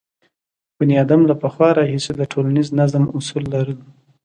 بنیادم له پخوا راهیسې د ټولنیز نظم اصول لرل.